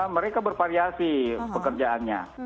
mereka bervariasi pekerjaannya